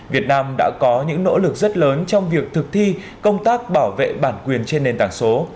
việt nam đã có những nỗ lực rất lớn trong việc thực thi công tác bảo vệ bản quyền trên nền tảng số